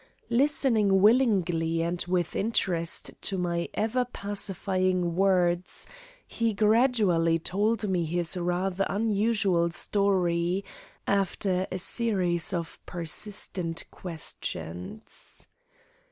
Listening willingly and with interest to my ever pacifying words he gradually told me his rather unusual story after a series of persistent questions.